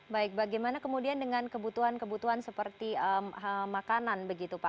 baik bagaimana kemudian dengan kebutuhan kebutuhan seperti makanan begitu pak